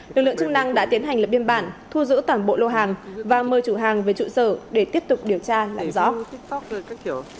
lực lượng chức năng đã tiến hành lập biên bản thu giữ toàn bộ lô hàng và mời chủ hàng về trụ sở để tiếp tục điều tra làm rõ